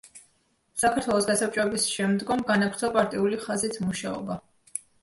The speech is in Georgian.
საქართველოს გასაბჭოების შემდგომ განაგრძო პარტიული ხაზით მუშაობა.